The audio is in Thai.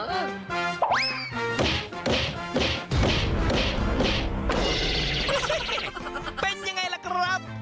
แฮ่เป็นอย่างไรล่ะครับ